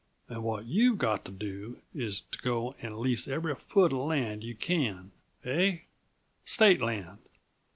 And what you've got to do is to go and lease every foot uh land you can. Eh? State land.